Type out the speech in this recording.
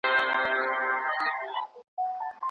مطالعه د ماشوم د ژوند کیفیت لوړوي.